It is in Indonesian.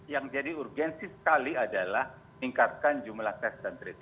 yang jadi urgensi sekali adalah meningkatkan jumlah tes dan tracing